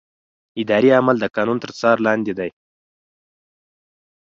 اداري عمل د قانون تر څار لاندې دی.